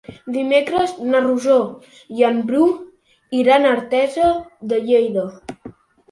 Dimecres na Rosó i en Bru iran a Artesa de Lleida.